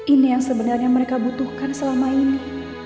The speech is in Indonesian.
ini yang sebenarnya mereka butuhkan selama ini